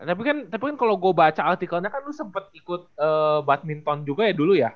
tapi kan kalau gue baca artikelnya kan lu sempet ikut badminton juga ya dulu ya